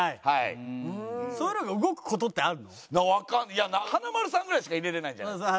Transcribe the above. いや華丸さんぐらいしか入れられないじゃないですか。